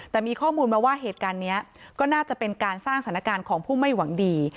แต่มีข้อมูลมาว่าเหตุการณ์นี้ก็น่าจะเป็นการสร้างสถานการณ์ของผู้ไม่หวังดี